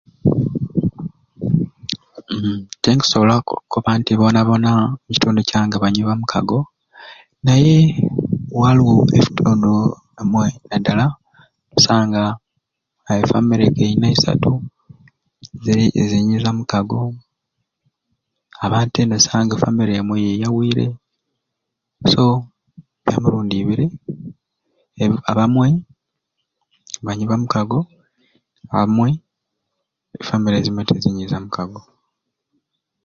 Tinkusobola kukoba nti boona boona omukitundu kyange banywi bamukago naye waliwo ebitundu ebimwe naddala nosanga e famire ka inai isatu ziri zinywi zamukago abandi te n'osanga nga e famire emwei yeyawiire so Kya mirundi ibiri ebi abamwe banywi bamukago amwe e famire ezimwe tizinywi za mukago.